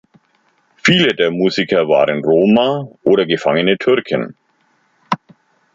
Viele der Musiker waren Roma oder gefangene Türken.